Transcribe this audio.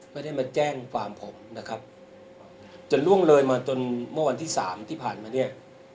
ไม่ได้มาแจ้งความผมนะครับจนล่วงเลยมาจนเมื่อวันที่สามที่ผ่านมาเนี่ย